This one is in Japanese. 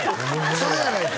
それやないか！」